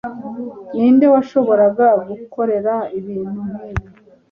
Ninde washoboraga gukorera ibintu nkibi?